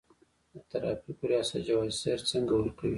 د ترافیکو ریاست جواز سیر څنګه ورکوي؟